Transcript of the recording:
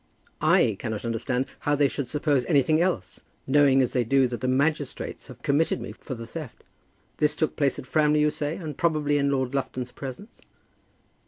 "I cannot understand how they should suppose anything else, knowing, as they do, that the magistrates have committed me for the theft. This took place at Framley, you say, and probably in Lord Lufton's presence."